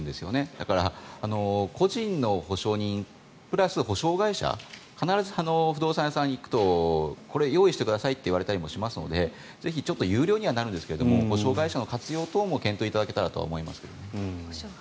だから、個人の保証人プラス保証会社必ず不動産屋さんに行くと用意してくださいって言われたりもしますのでぜひ有料にはなるんですが保証会社等の活用も検討いただけたらとは思いますけどね。